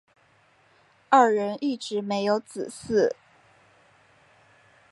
二人一直没有子嗣。